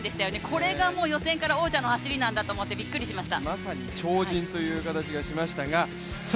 これがもう予選から王者の走りなんだと思ってびっくりしました。